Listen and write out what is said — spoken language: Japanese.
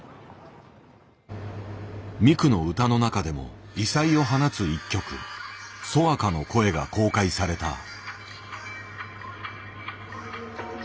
ミクの歌の中でも異彩を放つ一曲「ソワカの声」が公開された。